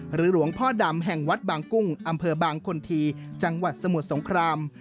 หลวงพ่อดำแห่งวัดบางกุ้งอำเภอบางคนทีจังหวัดสมุทรสงคราม